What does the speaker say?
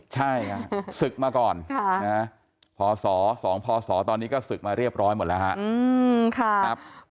ใช่ศึกมาก่อนพศ๒พศตอนนี้ก็ศึกมาเรียบร้อยหมดแล้วครับ